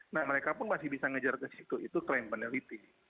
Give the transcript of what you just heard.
nah mereka pun masih bisa ngejar ke situ itu klaim peneliti